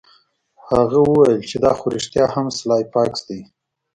هغه وویل چې دا خو رښتیا هم سلای فاکس دی